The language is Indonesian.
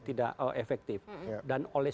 tidak efektif dan oleh